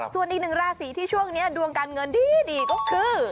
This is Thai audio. ส่วนอีกหนึ่งราศีที่ช่วงนี้ดวงการเงินดีก็คือ